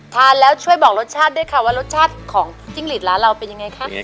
ทานแล้วช่วยบอกรสชาติด้วยค่ะว่ารสชาติของจิ้งหลีดร้านเราเป็นยังไงคะ